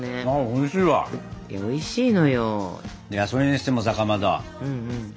いやそれにしてもさかまど。